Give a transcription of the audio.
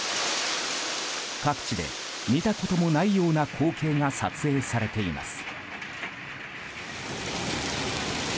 各地で見たこともないような光景が撮影されています。